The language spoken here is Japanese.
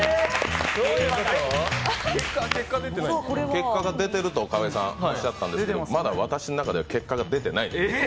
結果が出てると河合さんおっしゃいましたけど、まだ私の中では結果が出てない。